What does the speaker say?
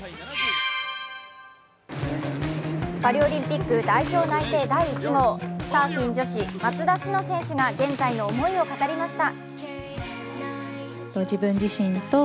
パリオリンピック代表内定第１号、サーフィン女子・松田詩野選手が現在の思いを語りました。